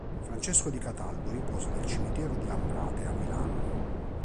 Francesco Di Cataldo riposa nel cimitero di Lambrate, a Milano.